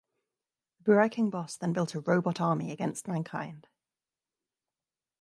The Buraiking Boss then built a robot army against mankind.